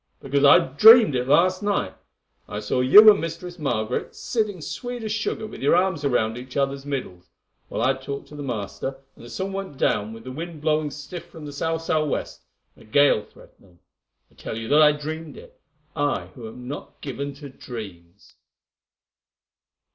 "Because I dreamed it last night. I saw you and Mistress Margaret sitting sweet as sugar, with your arms around each other's middles, while I talked to the master, and the sun went down with the wind blowing stiff from sou sou west, and a gale threatening. I tell you that I dreamed it—I who am not given to dreams."